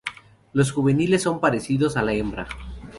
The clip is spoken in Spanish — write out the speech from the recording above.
Los juveniles son parecidos a la hembra.